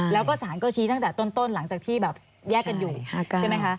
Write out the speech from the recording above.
แล้วก็สารก็ชี้ตั้งแต่ต้นหลังจากที่แบบแยกกันอยู่ใช่ไหมคะ